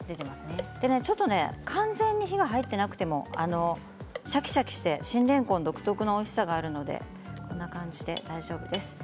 ちょっと完全に火が入っていなくてもシャキシャキして新れんこん独特のおいしさはあるのでこんな感じで大丈夫です。